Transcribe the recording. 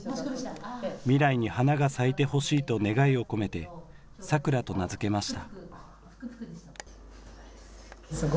未来に花が咲いてほしいと願いを込めて咲来と名付けました。